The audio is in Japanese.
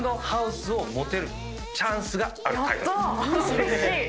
うれしい！